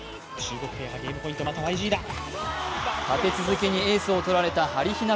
立て続けにエースを取られたはりひな